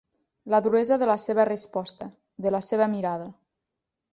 La duresa de la seva resposta, de la seva mirada.